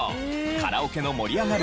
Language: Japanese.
カラオケの盛り上がる